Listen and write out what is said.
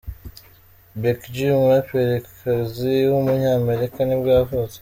Becky G, umuraperikazi w’umunyamerika nibwo yavutse.